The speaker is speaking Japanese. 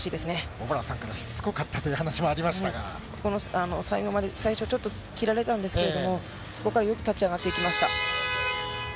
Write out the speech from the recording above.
小原さんからしつこかったとここの最後まで、最初ちょっと切られたんですけど、そこからよく立ち上がっていきま